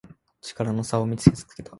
力の差を見せつけた